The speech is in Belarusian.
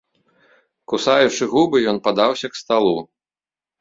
Кусаючы губы, ён падаўся к сталу.